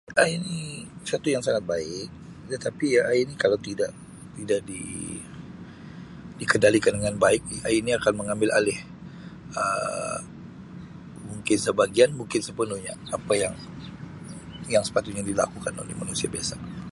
AI ini suatu yang sangat baik, ya tapi AI ini kalau tidak di-dikendalikan dengan baik AI ni akan mengambil alih Um mungkin sebahagian mungkin sepenuhnya apa yang sepatutnya dilakukan oleh manusia biasa.